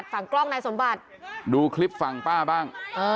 ฝั่งกล้องนายสมบัติดูคลิปฝั่งป้าบ้าง